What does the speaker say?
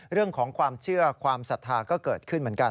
เรื่องของความเชื่อความศรัทธาก็เกิดขึ้นเหมือนกัน